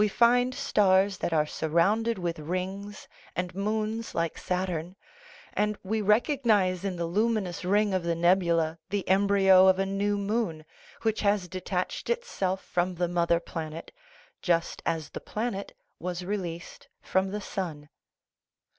We find stars that are surrounded with rings and moons like Saturn ; and we recognize in the luminous ring of the nebula the embryo of a new moon, which has detached itself from the mother planet, just as the planet was released from the sun.